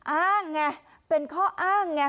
อ้างไงเป็นข้ออ้างไง